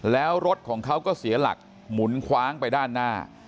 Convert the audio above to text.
แล้วรถของเขาก็เสียหลักหมุนคว้างไปด้านหน้า